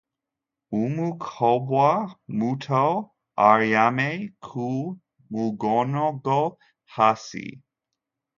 Umukobwa muto aryamye ku mugongo hasi